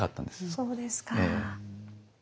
そうですか。